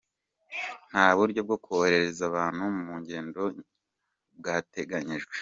Nta buryo bwo korohereza abantu mu ngendo bwateganijwe.